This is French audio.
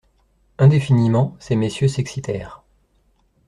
Indéfiniment, ces messieurs s'excitèrent.